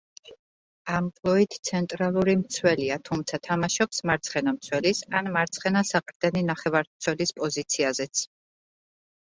ამპლუით ცენტრალური მცველია, თუმცა თამაშობს მარცხენა მცველის, ან მარცხენა საყრდენი ნახევარმცველის პოზიციაზეც.